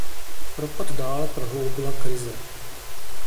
Propad dále prohloubila krize.